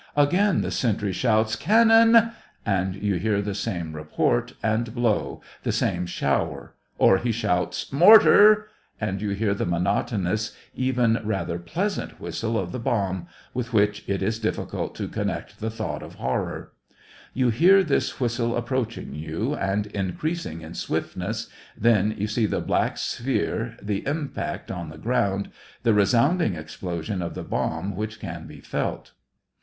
Again the sentry shouts, " Can non !" and you hear the same report and blow, the same shower, or he shouts " Mortar !" and you hear the monotonous, even rather pleasant whistle of the bomb, with which it is difficult to connect the thought of horror ; you hear this whis tle approaching you, and increasing in swiftness, then you see the black sphere, the impact on the ground, the resounding explosion of the bomb which can be felt.